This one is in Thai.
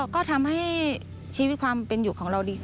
ก็ทำให้ชีวิตความเป็นอยู่ของเราดีขึ้น